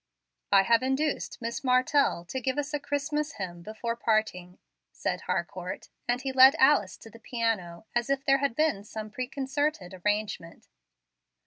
"I have induced Miss Martell to give us a Christmas hymn before parting," said Harcourt; and he led Alice to the piano, as if there had been some preconcerted arrangement.